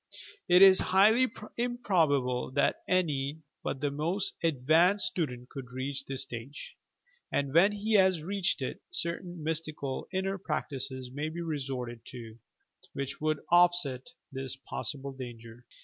It is highly improbable that any but the most advanced student could reach this stage, and when he has reached it, certain mystical, inner practices may be resorted to, which would offset this possible danger.